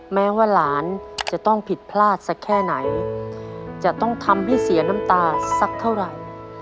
แม้ว่าหลานจะต้องผิดพลาดสักแค่ไหนจะต้องทำให้เสียน้ำตาสักเท่าไหร่